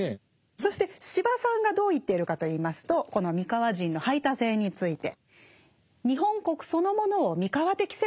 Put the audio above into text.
そして司馬さんがどう言っているかといいますとこの三河人の排他性について。